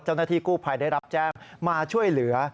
เจ้าหน้าที่กู้ภัยได้รับแจ้งมาช่วยเหลือ